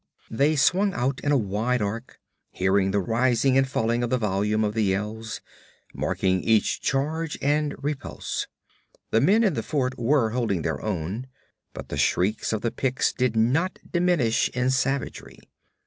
They swung out in a wide arc, hearing the rising and falling of the volume of the yells, marking each charge and repulse. The men in the fort were holding their own; but the shrieks of the Picts did not diminish in savagery.